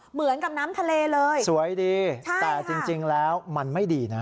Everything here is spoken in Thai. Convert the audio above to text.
เหมือนกับน้ำทะเลเลยสวยดีแต่จริงแล้วมันไม่ดีนะ